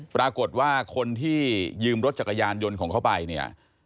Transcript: ปรากฏว่าคนที่ยืมรถจักรยานยนต์ของเขาไปเนี่ย